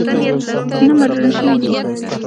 نه مډرن شوي دي.